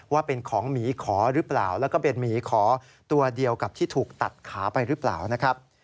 ว่าเป็นของหมีขอหรือเปล่าแล้วก็เป็นหมีขอตัวเดียวกับที่ถูกตัดขาไปหรือเปล่านะครับ